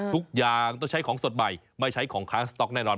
ทุกอย่างต้องใช้ของสดใหม่ไม่ใช้ของค้างสต๊อกแน่นอน